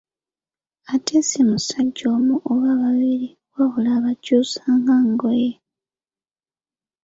Ate ssi musajja omu oba babiri wabula abakyusa nga ngoye.